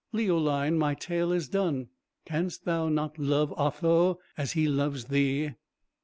Leoline, my tale is done. Canst thou not love Otho as he loves thee?"